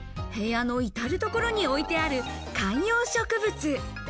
部屋のいたるところに置いてある観葉植物。